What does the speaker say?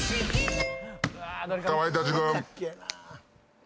かまいたち軍。